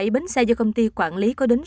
bảy bến xe do công ty quản lý có đến